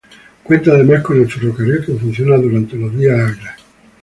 Cuenta además con el ferrocarril que funciona durante los días hábiles.